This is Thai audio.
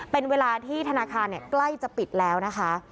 เป็นเวลาที่ธนาคารใกล้จะปิดแล้วนะคะ